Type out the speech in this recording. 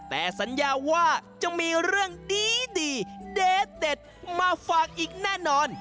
แต่สัญญาว่าจะมีเรื่องดีเด็ดมาฝากอีกแน่นอน